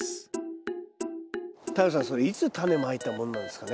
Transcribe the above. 太陽さんそれいつタネまいたものなんですかね？